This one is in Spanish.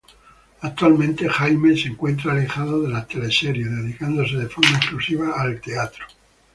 Actualmente Jaime se encuentra alejado de las teleseries, dedicándose de forma exclusiva al teatro.